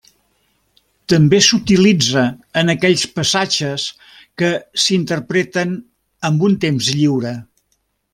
També s'utilitza en aquells passatges que s'interpreten amb un temps lliure.